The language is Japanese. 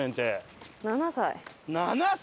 ７歳？